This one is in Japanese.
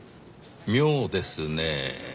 妙ですねぇ。